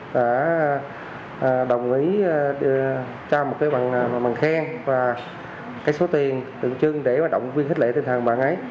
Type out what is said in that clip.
đã đồng ý cho một cái bằng khen và cái số tiền tượng trưng để động viên khích lệ tình thần bạn ấy